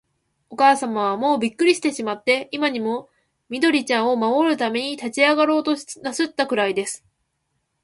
おかあさまは、もうびっくりしてしまって、今にも、緑ちゃんを守るために立ちあがろうとなすったくらいです。